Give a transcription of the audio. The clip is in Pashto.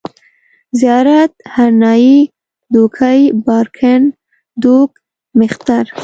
زيارت، هرنايي، دوکۍ، بارکن، دوگ، مېختر